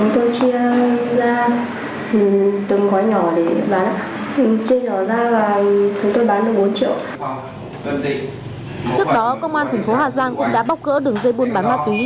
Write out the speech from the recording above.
trước đó công an thành phố hà giang cũng đã bóc gỡ đường dây buôn bán ma túy